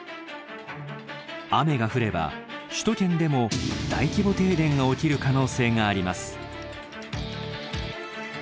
雨が降れば首都圏でも大規模停電が起きる可能性があります。